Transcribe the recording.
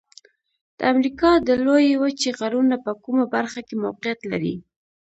د امریکا د لویې وچې غرونه په کومه برخه کې موقعیت لري؟